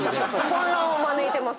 混乱を招いてます。